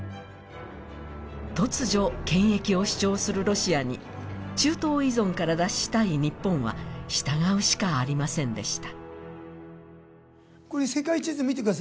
突如権益を主張するロシアに中東依存から脱したい日本は従うしかありませんでした。